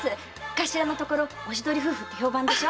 頭のところおしどり夫婦って評判でしょ。